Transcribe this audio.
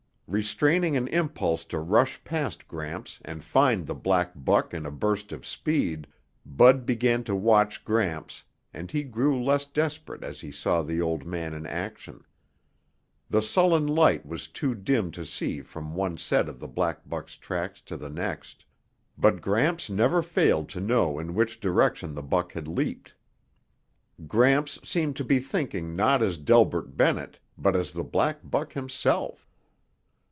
Restraining an impulse to rush past Gramps and find the black buck in a burst of speed, Bud began to watch Gramps and he grew less desperate as he saw the old man in action. The sullen light was too dim to see from one set of the black buck's tracks to the next, but Gramps never failed to know in which direction the buck had leaped. Gramps seemed to be thinking not as Delbert Bennett but as the black buck himself.